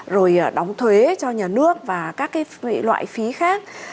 rồi đóng thuế cho nhà nước và các cái loại phí khác